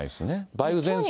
梅雨前線の。